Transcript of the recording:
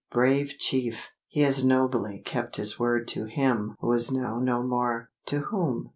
Brave chief! he has nobly kept his word to him who is now no more." "To whom?"